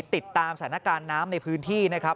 ติดตามสถานการณ์น้ำในพื้นที่นะครับ